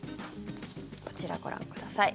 こちら、ご覧ください。